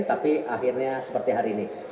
tapi akhirnya seperti hari ini